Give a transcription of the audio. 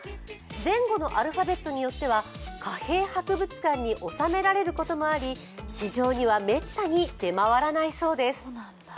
前後のアルファベットによっては貨幣博物館に収められることもあり市場にはめったに出回らないそうです。